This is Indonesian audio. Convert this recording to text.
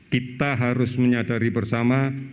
kita harus menyadari bersama